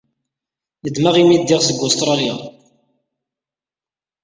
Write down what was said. Nedmeɣ imi ay ddiɣ seg Ustṛalya.